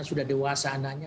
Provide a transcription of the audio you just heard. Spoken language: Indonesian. sudah dewasa anaknya